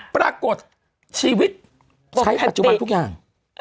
ปรากฏชีวิตใช้ปัจจุบันทุกอย่าง